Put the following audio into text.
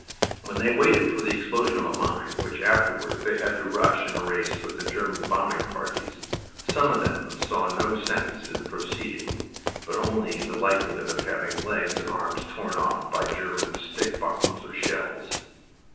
When they waited for the explosion of a mine which afterward they had to "rush" in a race with the German bombing parties, some of them saw no sense in the proceeding, but only the likelihood of having legs and arms torn off by German stick bombs or shells.